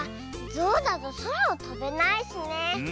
ゾウだとそらをとべないしね。